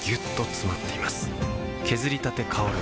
削りたて香る